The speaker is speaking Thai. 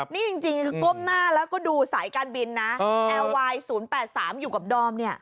นี่จริงคือก้มหน้าแล้วก็ดูสายการบินนะแอร์ไวน์๐๘๓อยู่กับดอมเนี่ย